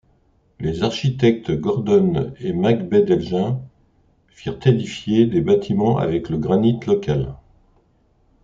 Les architectes Gordon & Macbey d'Elgin firent édifier des bâtiments avec le granite local.